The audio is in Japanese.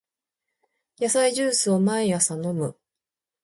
野菜ジュースを毎朝飲む